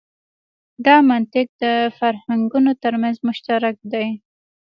دا منطق د فرهنګونو تر منځ مشترک دی.